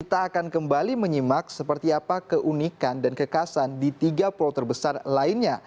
kita akan kembali menyimak seperti apa keunikan dan kekasan di tiga pulau terbesar lainnya